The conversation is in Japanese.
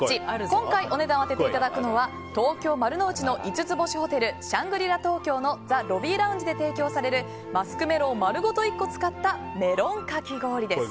今回、お値段を当てていただくのは東京・丸の内の５つ星ホテルシャングリ・ラ東京のザ・ロビーラウンジで提供されるマスクメロンを丸ごと１個使ったメロンかき氷です。